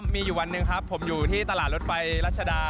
มีอยู่วันหนึ่งครับผมอยู่ที่ตลาดรถไฟรัชดา